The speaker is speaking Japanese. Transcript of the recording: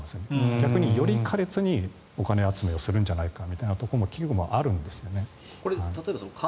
逆により苛烈にお金集めをするんじゃないかという危惧もあるんですね。